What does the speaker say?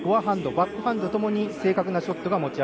バックハンドともに正確なショットが持ち味。